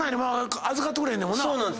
預かってくれへんねんもんな。